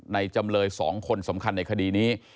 จำเลย๒คนสำคัญในคดีนี้